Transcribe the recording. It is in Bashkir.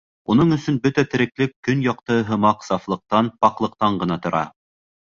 Уның өсөн бөтә тереклек көн яҡтыһы һымаҡ сафлыҡтан, паклыҡтан ғына тора.